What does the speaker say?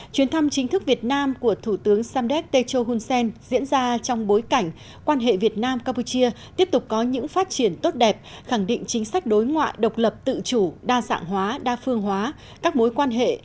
chuyến thăm chính thức việt nam của thủ tướng samdek techo hun sen diễn ra trong bối cảnh quan hệ việt nam campuchia tiếp tục có những phát triển tốt đẹp khẳng định chính sách đối ngoại độc lập tự chủ đa dạng hóa đa phương hóa các mối quan hệ